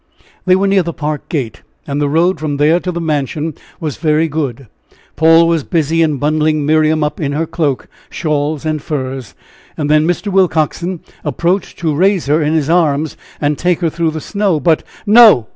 They were near the park gate, and the road from there to the mansion was very good. Paul was busy in bundling Miriam up in her cloak, shawls and furs. And then Mr. Willcoxen approached to raise her in his arms, and take her through the snow; but "No!